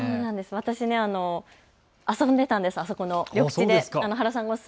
私、遊んでたんです、あの緑地で。